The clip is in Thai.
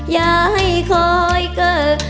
อย่าให้คอยเกิด